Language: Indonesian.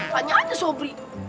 panya aja sobri